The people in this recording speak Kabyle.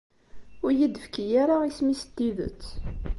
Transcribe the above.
Ur iyi-d-tefki ara isem-is n tidet.